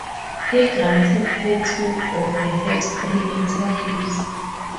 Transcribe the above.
He granted her two or, perhaps, three interviews.